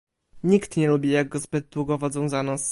Nikt nie lubi, jak go zbyt długo wodzą za nos